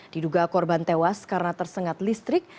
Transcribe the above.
diduga korban tewas karena tersengat listrik